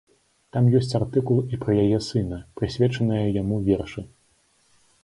Там ёсць артыкул і пра яе сына, прысвечаныя яму вершы.